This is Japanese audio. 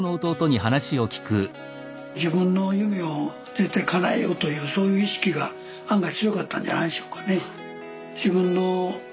自分の夢を絶対かなえようというそういう意識が案外強かったんじゃないでしょうかね。